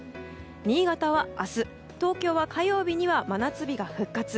新潟は明日東京は火曜日には真夏日が復活。